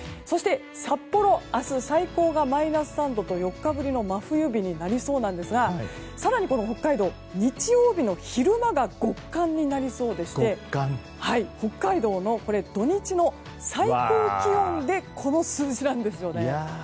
そして、札幌明日、最高がマイナス３度と４日ぶりの真冬日になりそうなんですが更にこの北海道、日曜日の昼間が極寒になりそうでして北海道の土日の最高気温でこの数字なんですよね。